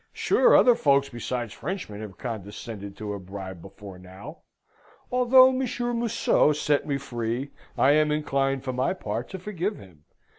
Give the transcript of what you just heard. Sure other folks besides Frenchmen have condescended to a bribe before now. Although Monsieur Museau set me free, I am inclined, for my part, to forgive him.